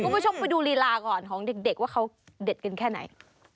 คุณผู้ชมไปดูลีลาก่อนของเด็กว่าเขาเด็ดกันแค่ไหน